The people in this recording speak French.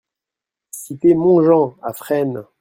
Cité Montjean à Fresnes